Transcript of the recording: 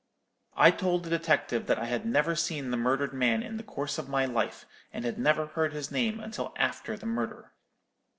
"I told the detective that I had never seen the murdered man in the course of my life, and had never heard his name until after the murder.